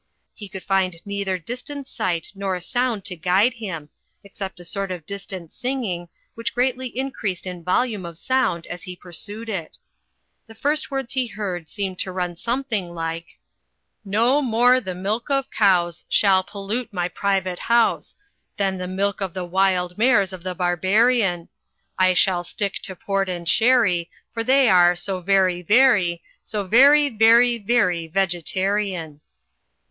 He could find neither sight nor sound to guide him, except a sort of distant singing, which gr^^.tly increased in volume of sound as he pursued it. The first words he heard seemed to nm something like — "No more the milk of cows Shall pollute my private house. Than the milk of the wild mares of the Barbarian; I will stick to port and sherry. For they are so very, very. So very, very, very Vegetarian.